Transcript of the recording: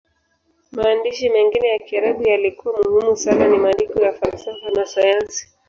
Maandishi mengine ya Kiarabu yaliyokuwa muhimu sana ni maandiko ya falsafa na sayansi.